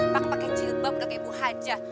pak pakai jilbab gak kayak ibu haja